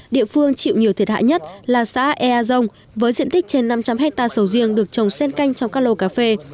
địa phương chịu nhiều thiệt hại nhất là xã ea dông với diện tích trên năm trăm linh hectare sầu riêng được trồng sen canh trong các lô cà phê